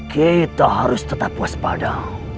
kita harus tetap puas pada